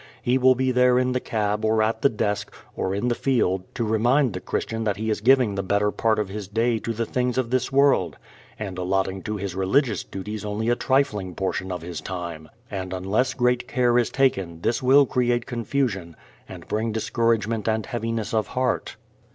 He will be there in the cab or at the desk or in the field to remind the Christian that he is giving the better part of his day to the things of this world and allotting to his religious duties only a trifling portion of his time. And unless great care is taken this will create confusion and bring discouragement and heaviness of heart.